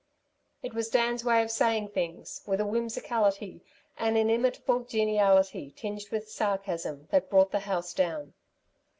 It was Dan's way of saying things, with a whimsicality, an inimitable geniality, tinged with sarcasm, that brought the house down.